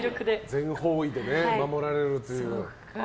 全方位で守られるという。